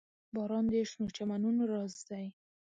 • باران د شنو چمنونو راز دی.